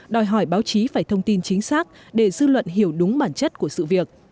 đòi hỏi báo chí phải thông tin chính xác để dư luận hiểu đúng bản chất của sự việc